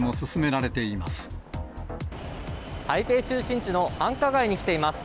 台北中心地の繁華街に来ています。